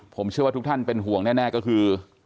ผมเชื่อว่าทุกท่านเป็นห่วงแน่ก็คือ